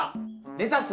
レタス。